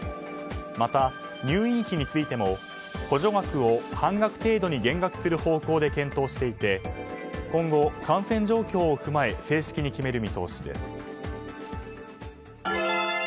また入院費についても補助額を半額程度に減額する方向で検討していて今後、感染状況を踏まえ正式に決める見通しです。